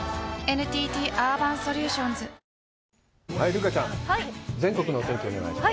留伽ちゃん、全国の天気をお願いします。